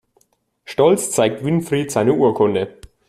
Stolz zeigt Winfried seine Urkunde.